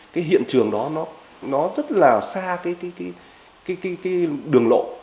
cái hiện trường đó nó rất là xa cái đường lộ